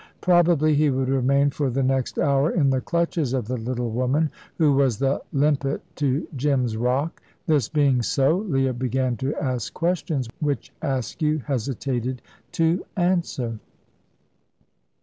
Probably he would remain for the next hour in the clutches of the little woman, who was the limpet to Jim's rock. This being so, Leah began to ask questions which Askew hesitated to answer.